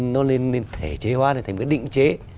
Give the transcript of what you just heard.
nó nên thể chế hoá thành một cái định chế